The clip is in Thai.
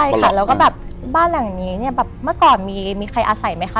ใช่ค่ะแล้วก็แบบบ้านหลังนี้เนี่ยแบบเมื่อก่อนมีใครอาศัยไหมคะ